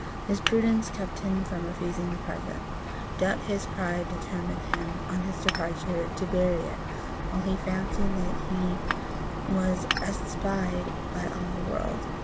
His prudence kept him from refusing the present; Dut his pride determined him, on his departure, to bury it while he fancied that he was unespied by all the world.